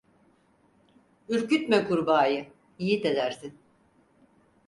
Ürkütme kurbağayı, yiğit edersin.